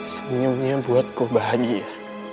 senyumnya buatku bahagia